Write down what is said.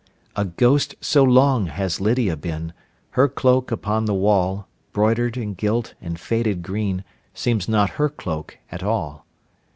A ghost so long has Lydia been, Her cloak upon the wall, Broidered, and gilt, and faded green, Seems not her cloak at all.